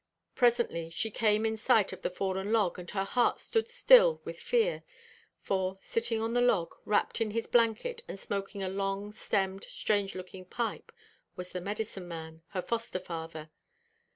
Presently she came in sight of the fallen log, and her heart stood still with fear; for, sitting on the log, wrapped in his blanket, and smoking a long stemmed, strange looking pipe, was the medicine man, her foster father.